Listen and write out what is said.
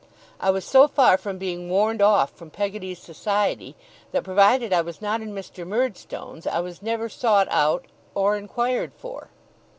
I was so far from being warned off from Peggotty's society, that, provided I was not in Mr. Murdstone's, I was never sought out or inquired for.